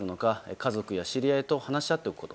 家族や知り合いと話し合っておくこと。